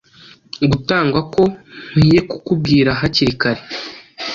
gutangwa Ko nkwiye kukubwira hakiri kare